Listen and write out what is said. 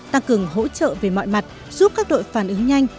tăng cường hỗ trợ về mọi mặt giúp các đội phản ứng nhanh